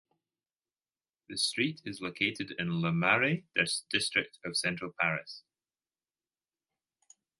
The street is located in Le Marais district of central Paris.